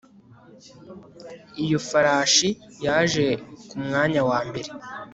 iyo farashi yaje ku mwanya wa mbere